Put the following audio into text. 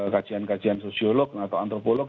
kajian kajian sosiolog atau antropolog